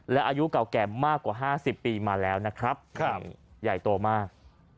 และอายุเก่าแก่มากกว่า๕๐ปีมาแล้วนะครับใหญ่โตมาก